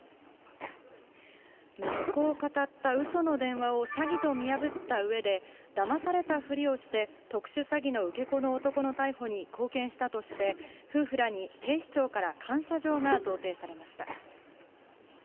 息子をかたったうその電話を詐欺と見破ったうえで、だまされたふりをして特殊詐欺の受け子の男の逮捕に貢献したとして、夫婦らに警視庁から感謝状が贈呈されました。